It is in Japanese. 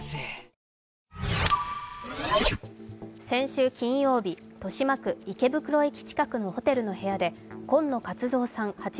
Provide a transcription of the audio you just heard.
先週金曜日、豊島区池袋駅近くのホテルの部屋で、今野勝蔵さん